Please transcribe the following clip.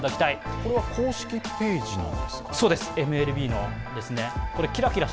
これは公式ページのですか。